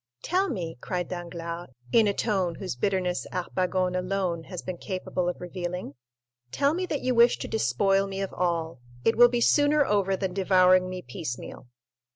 "Tell me," cried Danglars, in a tone whose bitterness Harpagon30 alone has been capable of revealing—"tell me that you wish to despoil me of all; it will be sooner over than devouring me piecemeal."